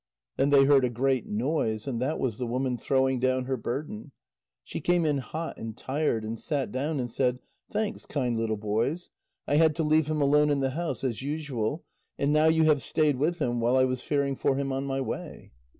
Then they heard a great noise, and that was the woman throwing down her burden. She came in hot and tired, and sat down, and said: "Thanks, kind little boys. I had to leave him alone in the house, as usual, and now you have stayed with him while I was fearing for him on my way."